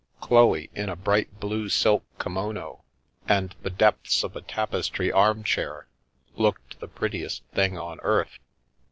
Chloe, in a bright blue silk kimono and the depths of a tapestry armchair, looked the prettiest thing on earth.